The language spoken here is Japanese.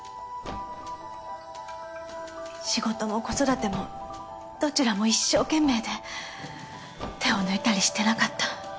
仕事も子育てもどちらも一生懸命で手を抜いたりしてなかった。